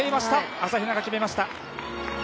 朝比奈が決めました。